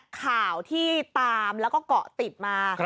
ข่าวที่ตามแล้วก็เกาะติดมา